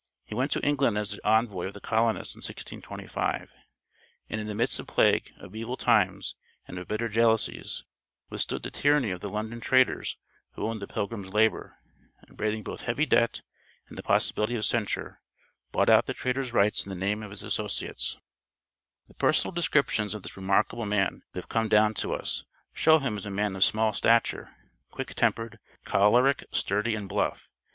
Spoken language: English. He went to England as the envoy of the colonists in 1625, and in the midst of plague, of evil times and of bitter jealousies, withstood the tyranny of the London traders who owned the Pilgrims' labor; and braving both heavy debt and the possibility of censure, bought out the traders' rights in the name of his associates. [Illustration: Departure of the Mayflower.] The personal descriptions of this remarkable man that have come down to us, show him as a man of small stature, quick tempered, choleric, sturdy and bluff.